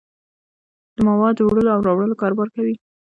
د موادو دوړلو او راوړلو کاروبار کوي.